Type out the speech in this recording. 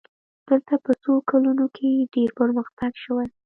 دلته په څو کلونو کې ډېر پرمختګ شوی.